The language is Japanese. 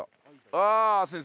ああ先生